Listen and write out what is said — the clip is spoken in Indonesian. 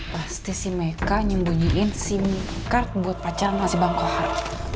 pasti si meka nyembunyiin sim card buat pacaran sama si bangku harap